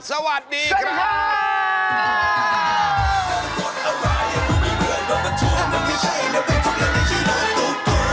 สวัสดีครับสวัสดีครับ